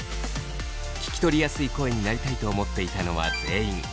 聞き取りやすい声になりたいと思っていたのは全員。